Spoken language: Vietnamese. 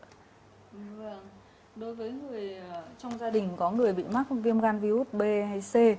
đối với người trong gia đình có người bị mắc viêm gan virus b c